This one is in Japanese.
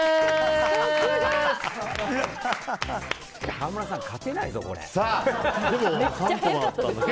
川村さん、勝てないぞこれ。